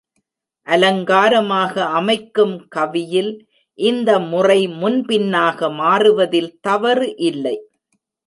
அலங்காரமாக அமைக்கும் கவியில் இந்த முறை முன்பின்னாக மாறுவதில் தவறு இல்லை.